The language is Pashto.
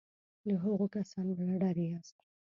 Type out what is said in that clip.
د هغو کسانو له ډلې یاست.